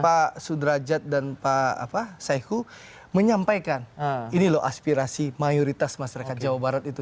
pak sudrajat dan pak saiku menyampaikan ini loh aspirasi mayoritas masyarakat jawa barat itu